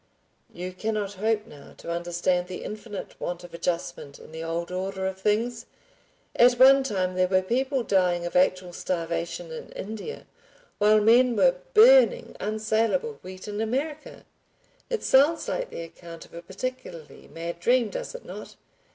You cannot hope now to understand the infinite want of adjustment in the old order of things. At one time there were people dying of actual starvation in India, while men were burning unsalable wheat in America. It sounds like the account of a particularly mad dream, does it not?